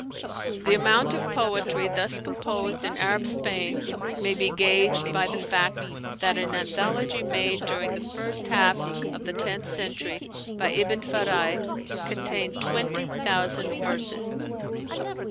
The amount of poetry thus composed in Arab Spain may be gauged by the fact that an anthology made during the first half of the tenth century, by Ibn Fáraj, contained twenty thousand verses.